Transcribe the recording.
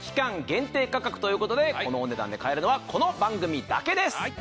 限定価格ということでこのお値段で買えるのはこの番組だけです。